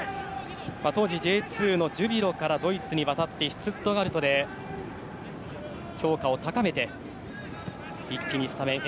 当時Ｊ２のジュビロからドイツに渡ってシュツットガルトで評価を高めて一気にスタメン。